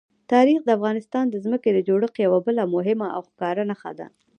تاریخ د افغانستان د ځمکې د جوړښت یوه بله مهمه او ښکاره نښه ده.